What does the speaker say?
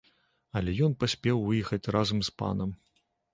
Але ён паспеў выехаць разам з панам.